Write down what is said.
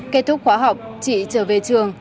kết thúc khóa học chị trở về trường